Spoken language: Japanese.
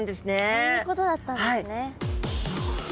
そういうことだったんですね。